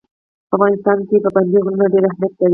په افغانستان کې پابندی غرونه ډېر اهمیت لري.